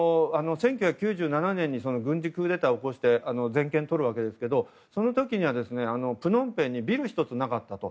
１９９７年に軍事クーデターを起こして全権をとるわけですけどその時にはプノンペンにビル１つなかったと。